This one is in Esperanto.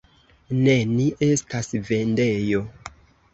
Ne, ni estas vendejo.